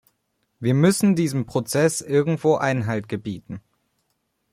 Wir müssen diesem Prozess irgendwo Einhalt gebieten.